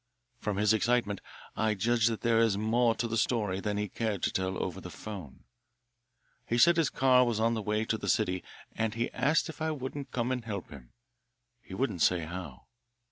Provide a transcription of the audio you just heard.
From his excitement I judge that there is more to the story than he cared to tell over the 'phone. He said his car was on the way to the city, and he asked if I wouldn't come and help him he wouldn't say how.